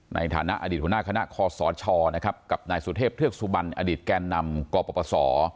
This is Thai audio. ในฐานะอดีตหัวหน้าคณะคอสชนะครับกับนายสุเทพเทือกสุบันอดีตแก่นำกปศ